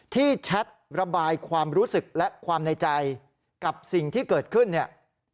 แชทระบายความรู้สึกและความในใจกับสิ่งที่เกิดขึ้นเนี่ย